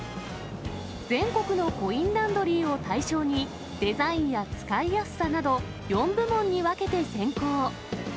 全国のコインランドリーを対象に、デザインや使いやすさなど、４部門に分けて選考。